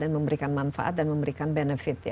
dan memberikan manfaat dan memberikan benefit ya